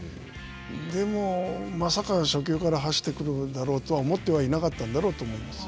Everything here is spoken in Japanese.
でも、まさか初球から走ってくるだろうとは思ってはいなかったんだろうと思います。